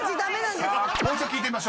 ［もう一度聞いてみましょう］